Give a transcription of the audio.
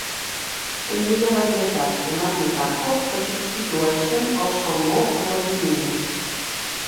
També hi ha varietats de marmitako que substitueixen el salmó per la tonyina.